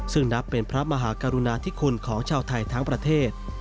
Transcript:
ซึ่งนับเป็นพระมหากรุณาธิคุณของชาวไทยทั้งประเทศ